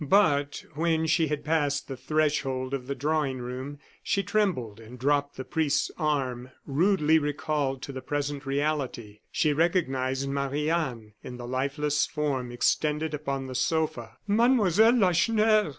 But when she had passed the threshold of the drawing room, she trembled and dropped the priest's arm, rudely recalled to the present reality. She recognized Marie Anne in the lifeless form extended upon the sofa. "Mademoiselle Lacheneur!"